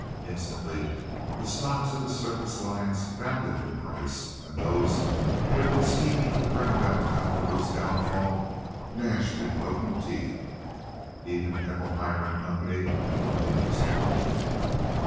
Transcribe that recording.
Instantly the stocks of his surface lines bounded in price, and those who had been scheming to bring about Cowperwood's downfall gnashed impotent teeth. Even Haeckelheimer & Co. were interested.